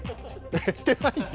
減ってないって。